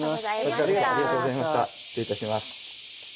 失礼いたします。